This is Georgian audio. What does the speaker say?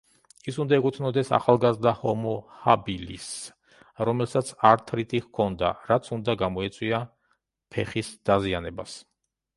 ის უნდა ეკუთვნოდეს ახალგაზრდა ჰომო ჰაბილისს, რომელსაც ართრიტი ჰქონდა, რაც უნდა გამოეწვია ფეხის დაზიანებას.